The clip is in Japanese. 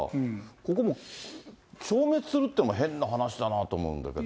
ここもう、消滅するっていうのも、変な話だなと思うんだけど。